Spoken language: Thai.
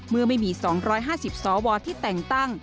เมื่อไม่มี๒๕๐สวที่แต่งตั้ง